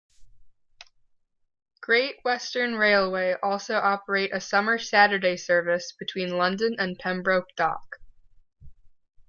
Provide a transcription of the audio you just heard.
Great Western Railway also operate a summer Saturday service between London and Pembroke Dock.